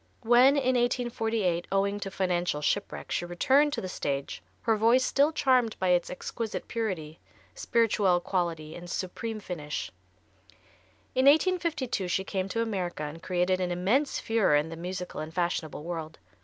When, in 1848, owing to financial shipwreck, she returned to the stage her voice still charmed by its exquisite purity, spirituelle quality and supreme finish. In 1852 she came to America and created an immense furore in the musical and fashionable world.